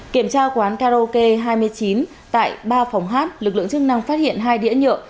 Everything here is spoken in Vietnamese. kiểm tra quán karaoke hai mươi chín tại ba phòng hát lực lượng chức năng phát hiện hai đĩa nhựa